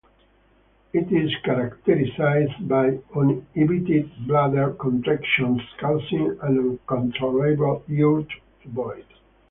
It is characterized by uninhibited bladder contractions causing an uncontrollable urge to void.